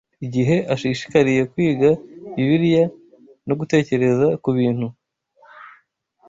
Igihe ashishikariye kwiga Bibiliya no gutekereza ku bintu